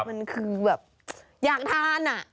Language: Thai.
มันคือแบบอยากทาน